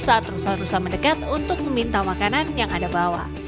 saat rusa rusa mendekat untuk meminta makanan yang anda bawa